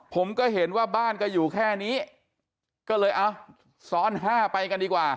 ผมก็เห็นว่าบ้านก็อยู่แค่นี้ก็เลยเอาซ้อนห้าไปกันดีกว่า